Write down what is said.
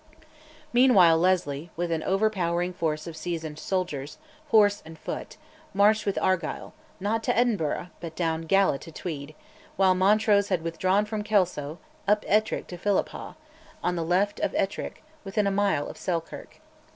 Meanwhile Leslie, with an overpowering force of seasoned soldiers, horse and foot, marched with Argyll, not to Edinburgh, but down Gala to Tweed; while Montrose had withdrawn from Kelso, up Ettrick to Philiphaugh, on the left of Ettrick, within a mile of Selkirk.